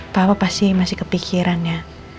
bapak pasti masih kepikiran ya